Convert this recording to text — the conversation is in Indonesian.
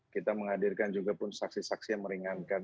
kita menghadirkan juga pun saksi saksi yang meringankan